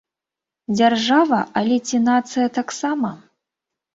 Дзяржава, але ці нацыя таксама?